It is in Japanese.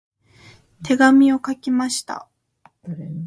手紙を書きました。